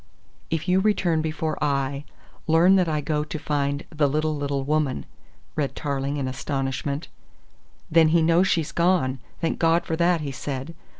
"If you return before I, learn that I go to find the little little woman," read Tarling in astonishment. "Then he knows she's gone! Thank God for that!" he said.